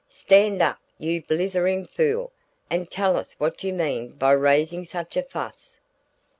"Stand up, you blithering fool, and tell us what you mean by raising such a fuss."